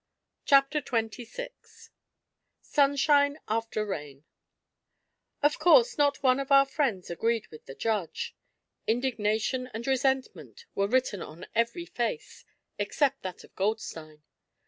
CHAPTER XXVI SUNSHINE AFTER RAIN Of course not one of our friends agreed with the judge. Indignation and resentment were written on every face except that of Goldstein.